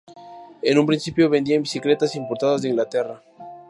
En un principio vendían bicicletas importadas de Inglaterra.